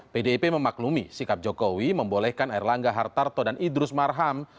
pdip memaklumi sikap jokowi membolehkan erlangga hartarto dan idrus marham